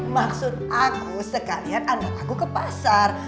maksud aku sekalian anak aku ke pasar